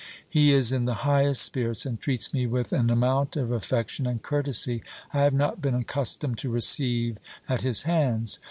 He is in the highest spirits, and treats me with an amount of affection and courtesy I have not been accustomed to receive at his hands.